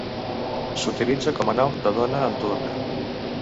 S'utilitza com a nom de dona en turc.